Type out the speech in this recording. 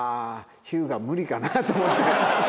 日向無理かなと思って。